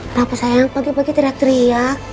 kenapa saya pagi pagi teriak teriak